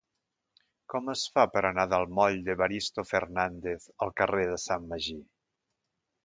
Com es fa per anar del moll d'Evaristo Fernández al carrer de Sant Magí?